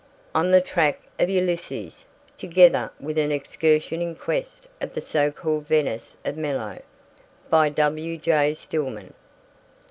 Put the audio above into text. On the Track of Ulysses; together with an Excursion in Quest of the So called Venus of Melos. By W. J. Stillman.